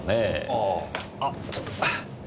あぁあっちょっと。